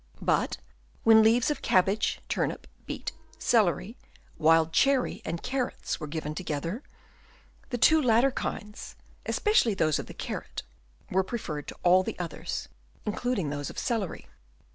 But when leaves of cab bage, turnip, beet, celery, wild cherry and carrots were given together, the two latter kinds, especially those of the carrot, were preferred to all the others, including those of celery.